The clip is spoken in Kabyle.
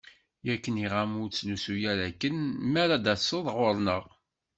Yak nniɣ-am ur ttlusu ara akken mi ara d-taseḍ ɣur-neɣ.